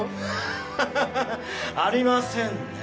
ハハハ！ありませんね。